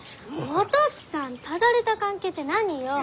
お父っつぁんただれた関係って何よ？